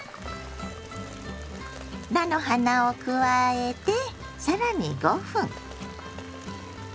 菜の花を加えて更に５分。